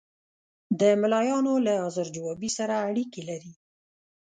د ملایانو له حاضر جوابي سره اړیکې لري.